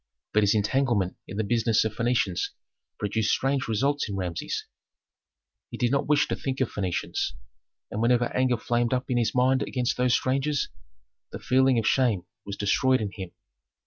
But his entanglement in the business of Phœnicians produced strange results in Rameses. He did not wish to think of Phœnicians, and whenever anger flamed up in his mind against those strangers the feeling of shame was destroyed in him.